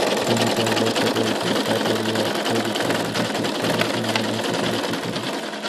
তিনি তার যোদ্ধাদেরকে কাদেরিয়া তরিকার বিভিন্ন চর্চা অণুশীলনের উপদেশ দিতেন।